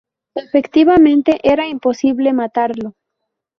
Efectivamente, era imposible matarlo.